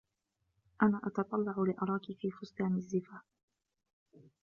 أنا أتتطلع لأراكِ في فستان الزفاف.